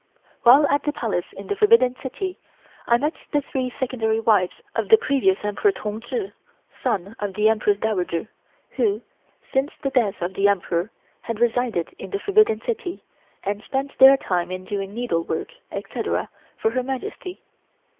While at the Palace in the Forbidden City I met the three Secondary wives of the previous Emperor Tung Chi, son of the Empress Dowager, who, since the death of the Emperor, had resided in the Forbidden City and spent their time in doing needlework, etc., for Her Majesty.